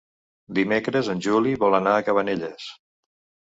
Dimecres en Juli vol anar a Cabanelles.